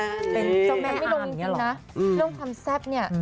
เจ้าแม่อ่านจริงนะเรื่องคำแซ่บเนี่ย